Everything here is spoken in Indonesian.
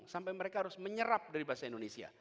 sampai mereka harus menyerap dari bahasa indonesia